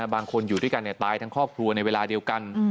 บางคนอยู่ด้วยกันตายทั้งครอบครัวในเวลาเดียวกัน